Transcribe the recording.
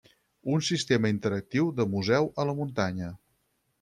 Un sistema interactiu de museu a la muntanya.